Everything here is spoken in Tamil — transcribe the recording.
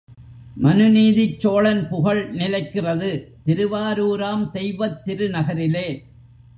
மனு நீதிச் சோழன் புகழ் நிலைக்கிறது திருவாரூராம் தெய்வத் திருநகரிலே.